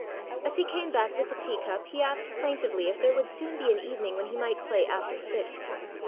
As he came back with the tea cup he asked plaintively if there would soon be an evening when he might play after six.